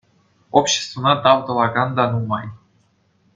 Обществӑна тав тӑвакан та нумай.